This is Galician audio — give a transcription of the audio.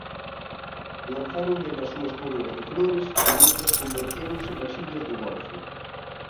Lanzaron nel as súas coroas de flores e estas convertéronse nas illas do golfo.